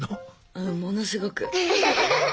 うんものすごく。